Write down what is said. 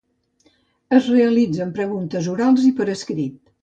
Es realitzen preguntes orals i per escrit.